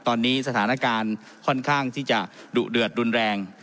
ตอนนี้สถานการณ์ค่อนข้างที่จะดุเดือดรุนแรง